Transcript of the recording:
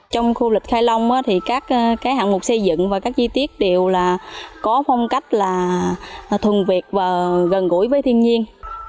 trong khu lịch khai long thì các hạng mục xây dựng và các chi tiết đều là có phong cách là thuần việt và gần gũi với thiên nhiên